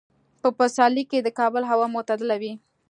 په پسرلي کې د کابل هوا معتدله وي.